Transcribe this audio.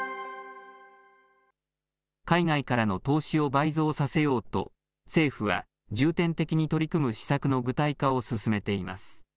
海外からの投資を倍増させようと、政府は、重点的に取り組む施策の具体化を進めています。